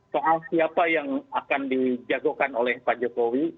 soal siapa yang akan dijagokan oleh pak jokowi